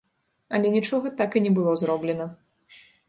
Але нічога так і не было зроблена.